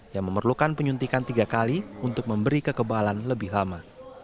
yang memerlukan penyuntikan tiga kali untuk memberi kekebalan lebih lama